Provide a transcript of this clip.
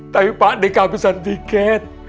tapi pak nek kehabisan tiket